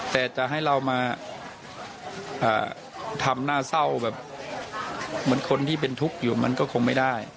แต่จะให้เรามาทำหน้าเศร้าแบบเหมือนคนที่เป็นทุกข์อยู่มันก็คงไม่ได้